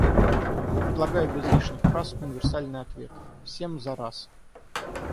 Предлагаю без лишних фраз универсальный ответ — всем зараз.